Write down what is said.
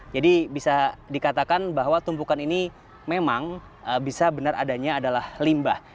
jadi bisa dikatakan bahwa tumpukan ini memang bisa benar adanya adalah limbah